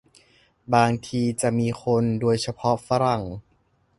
บางทีจะมีคน โดยเฉพาะฝรั่ง